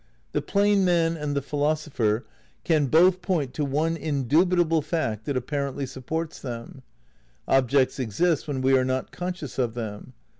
The plain man and the philosopher ^^'^^ can both point to one indubitable fact that apparently Crucial supports them. Objects exist when we are not conscious of them.